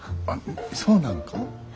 あそうなんか？